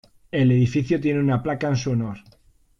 El edificio tiene una placa en su honor.